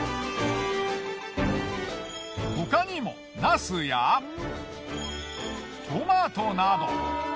他にもナスやトマトなど。